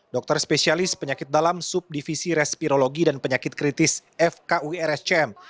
dokter spesialis penyakit dalam subdivisi respirologi dan penyakit kritis fkurscm